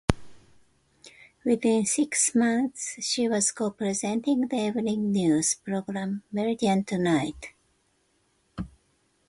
Within six months, she was co-presenting their evening news programme "Meridian Tonight".